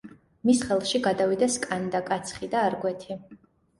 მის ხელში გადავიდა სკანდა, კაცხი და არგვეთი.